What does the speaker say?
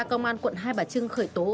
công an quận hai bà trưng khởi tố